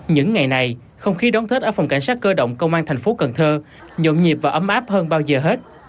những ngày này không khí đón tết ở phòng cảnh sát cơ động công an thành phố cần thơ nhộn nhịp và ấm áp hơn bao giờ hết